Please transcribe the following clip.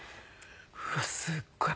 うわっすごい！